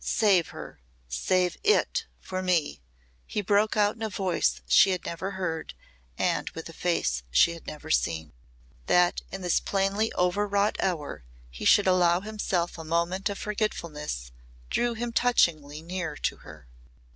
"Save her save it for me," he broke out in a voice she had never heard and with a face she had never seen. That in this plainly overwrought hour he should allow himself a moment of forgetfulness drew him touchingly near to her.